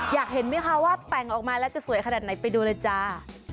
อยากเห็นไหมคะว่าแต่งออกมาแล้วจะสวยขนาดไหนไปดูเลยจ้า